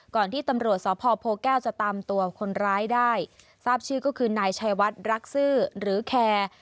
ก่อนที่ตำรวจสพโพแก้วจะตามตัวคนร้ายได้ทราบชื่อก็คือนายชัยวัดรักซื่อหรือแคร์